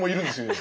今。